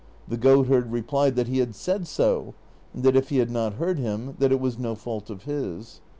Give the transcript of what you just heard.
The goatherd replied that he had said so, and that if he had not heard him, that it was no fault of his.